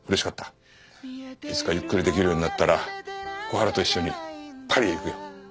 いつかゆっくりできるようになったら小春と一緒にパリへ行くよ。